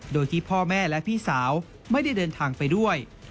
โดยที่พ่อแม่และพี่สาวไม่ได้เดินทางไปด้วย